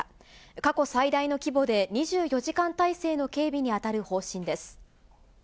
過去最大の規模で２４時間態勢の警備に当たる方針です。